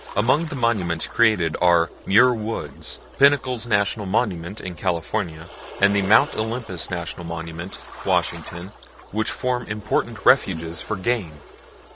Among the Monuments created are Muir Woods, Pinnacles National Monument in California, and the Mount Olympus National Monument, Washington, which form important refuges for game.